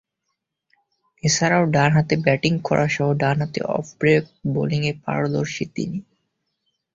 এছাড়াও ডানহাতে ব্যাটিং করাসহ ডানহাতে অফ-ব্রেক বোলিংয়ে পারদর্শী তিনি।